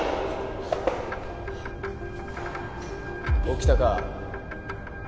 起きたか？